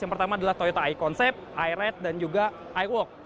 yaitu toyota i konsep i red dan juga i walk